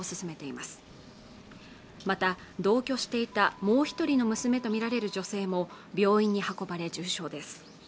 また同居していたもう一人の娘と見られる女性も病院に運ばれ重傷です